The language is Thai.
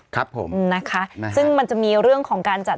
ครับผมนะคะซึ่งมันจะมีเรื่องของการจัด